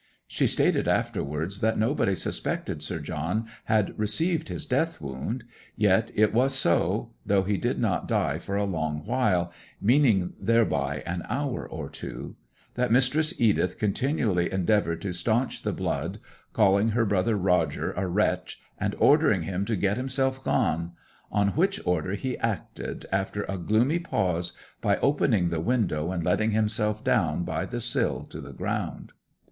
She stated afterwards that nobody suspected Sir John had received his death wound; yet it was so, though he did not die for a long while, meaning thereby an hour or two; that Mistress Edith continually endeavoured to staunch the blood, calling her brother Roger a wretch, and ordering him to get himself gone; on which order he acted, after a gloomy pause, by opening the window, and letting himself down by the sill to the ground.